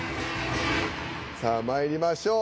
さあまいりましょう。